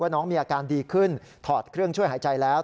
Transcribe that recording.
น้องมีอาการดีขึ้นถอดเครื่องช่วยหายใจแล้ว